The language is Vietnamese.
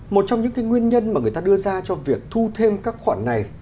một trong những cái nguyên nhân mà người ta đưa ra cho việc thu thêm các khoản này